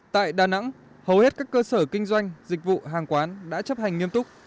tại đà nẵng hầu hết các cơ sở kinh doanh dịch vụ hàng quán đã chấp hành nghiêm túc